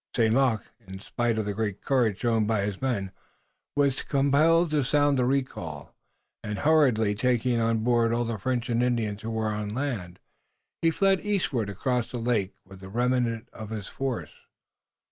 St. Luc, in spite of the great courage shown by his men, was compelled to sound the recall, and, hurriedly taking on board all the French and Indians who were on land, he fled eastward across the lake with the remnant of his force.